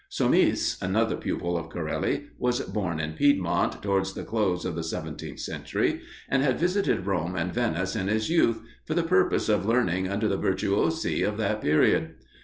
Somis, another pupil of Corelli, was born in Piedmont, towards the close of the seventeenth century, and had visited Rome and Venice in his youth, for the purpose of learning under the virtuosi of that period.